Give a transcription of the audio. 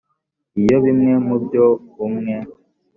iyo bimwe mu byo umwe